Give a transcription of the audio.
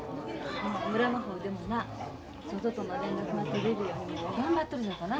村の方でもな外と連絡が取れるように頑張っとるさかな。